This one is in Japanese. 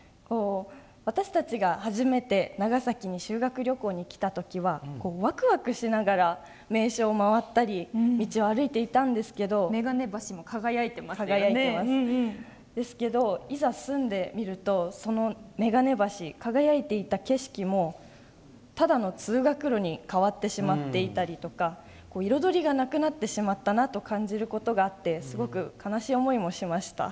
私たちが初めて長崎に修学旅行に来た時はワクワクしながら名所を回ったり道を歩いていたんですけどいざ住んでみるとその眼鏡橋、輝いていた景色もただの通学路に変わってしまっていたりとか彩りがなくなってしまったなと感じることがあってすごく悲しい思いもしました。